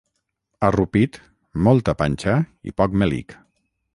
A Rupit, molta panxa i poc melic.